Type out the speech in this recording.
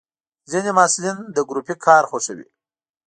ځینې محصلین د ګروپي کار خوښوي.